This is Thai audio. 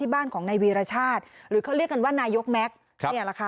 ที่บ้านของนายวีรชาติหรือเขาเรียกกันว่านายกแม็กซ์ราคา